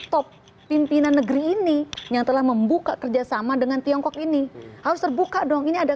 top pimpinan negeri ini yang telah membuka kerjasama dengan tiongkok ini harus terbuka dong ini ada